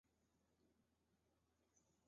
两者均为所属领域的最高级别荣誉勋章。